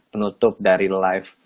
penutup dari live